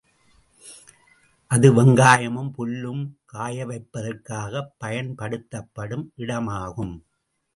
அது, வெங்காயமும் புல்லும் காயவைப்பதற்காகப் பயன்படுத்தப்படும் இடமாகும்.